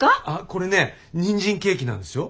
これねにんじんケーキなんですよ。